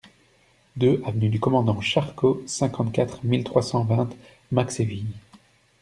deux avenue du Commandant Charcot, cinquante-quatre mille trois cent vingt Maxéville